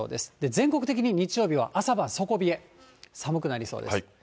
全国的に日曜日は朝晩底冷え、寒くなりそうです。